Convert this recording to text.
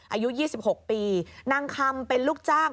อายุ๒๖ปีนางคำเป็นลูกจ้าง